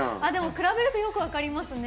比べるとよく分かりますね。